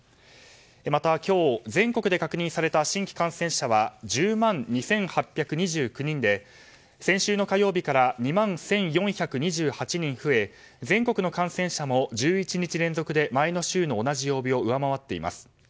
また今日全国で確認された新規感染者は１０万２８２９人で先週の火曜日から２万１４２８人増え全国の感染者も１１日連続で前の週の同じ曜日を上回っています。